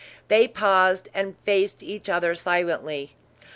They paused and faced each other silently.